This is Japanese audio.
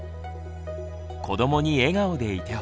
子どもに笑顔でいてほしい。